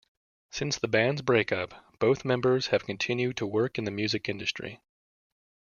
Since the band's break-up, both members have continued to work in the music industry.